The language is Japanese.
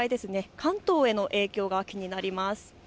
関東への影響、気になります。